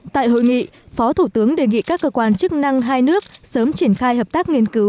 tại hội nghị phó thủ tướng đề nghị các cơ quan chức năng hai nước sớm triển khai hợp tác nghiên cứu